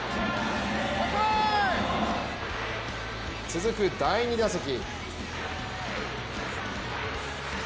続く第２打席。